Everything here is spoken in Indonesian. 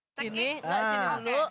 gak di sini dulu